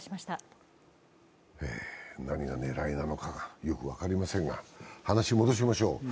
何が狙いなのかよく分かりませんが、話戻しましょう。